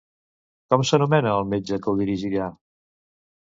Com s'anomena el metge que ho dirigirà?